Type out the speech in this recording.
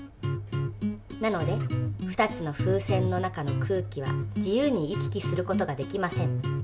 なので２つの風船の中の空気は自由に行き来する事ができません。